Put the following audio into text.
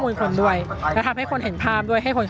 อย่างที่บอกไปว่าเรายังยึดในเรื่องของข้อ